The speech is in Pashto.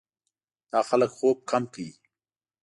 دا خلک خوب کم کوي.